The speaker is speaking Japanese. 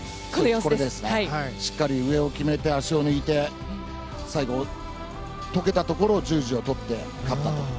しっかり上を決めて足を抜いて最後、解けたところを十字を取って、勝ったと。